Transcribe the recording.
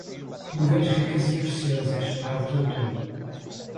Nuvens ricas e preciosas, arte e outono